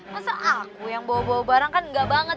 masa aku yang bawa bawa barang kan enggak banget